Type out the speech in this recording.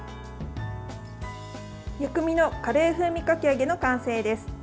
薬味のカレー風味かき揚げの完成です。